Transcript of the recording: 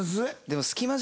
でも。